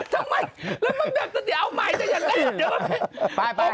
ทำไมแล้วมันแบบแต่เดี๋ยวเอาใหม่ได้อย่างไร